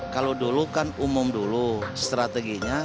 kalau dulu kan umum dulu strateginya